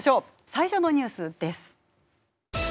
最初のニュースです。